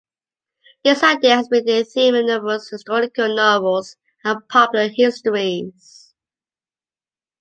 This idea has been the theme of numerous historical novels and popular histories.